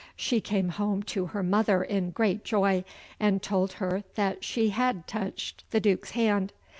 She came home to her mother in great joy, and told her that she had touched the Duke's hand.